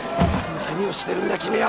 何をしてるんだ君は。